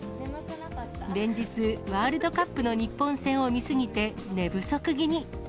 連日、ワールドカップの日本戦を見すぎて寝不足気味。